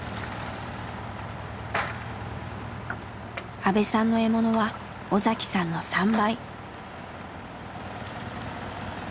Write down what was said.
阿部さんの獲物は尾さんの３倍。